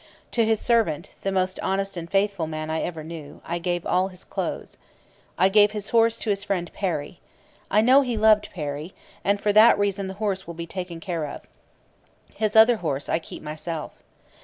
To his servant the most honest and faithful man I ever knew I gave all his clothes. I gave his horse to his friend Parry. I know he loved Parry; and for that reason the horse will be taken care of. His other horse I keep myself.